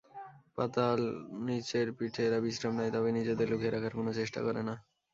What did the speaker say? পাতার নিচের পিঠে এরা বিশ্রাম নেয়, তবে নিজেদের লুকিয়ে রাখার কোন চেষ্টা করে না।